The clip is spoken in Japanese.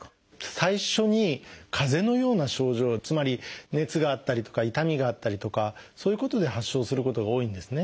最初に風邪のような症状つまり熱があったりとか痛みがあったりとかそういうことで発症することが多いんですね。